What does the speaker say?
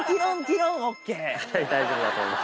ろ大丈夫だと思います。